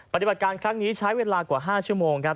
ปฏิบัติการครั้งนี้ใช้เวลากว่า๕ชั่วโมงครับ